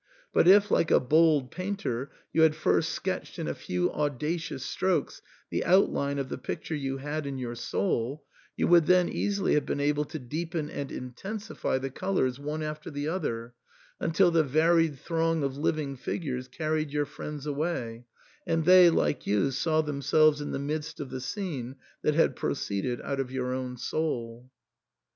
But if, like a bold painter, you had first sketched in a few audacious strokes the outline of the picture you had in your soul, you would then easily have been able to deepen and intensify the colours one after the other, until the varied throng of living figures carried your friends away, and they, like you, saw themselves in the midst of the scene that had proceeded out of your own soul.